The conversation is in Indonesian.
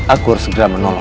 aku harus segera menolongnya